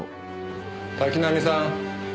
滝浪さん。